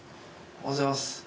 おはようございます